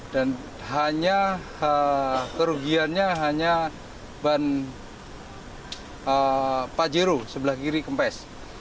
dan hanya kerugiannya hanya ban pajero sebelah kiri kempes